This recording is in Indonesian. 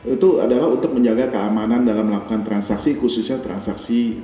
itu adalah untuk menjaga keamanan dalam melakukan transaksi khususnya transaksi